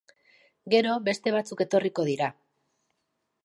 Gero, beste batzuk etorriko dira.